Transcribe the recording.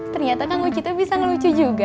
ternyata kamu cita bisa ngelucu juga